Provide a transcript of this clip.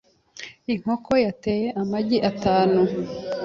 Inkoko yateye amagi atanu.